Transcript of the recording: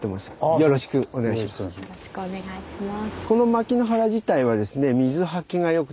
よろしくお願いします。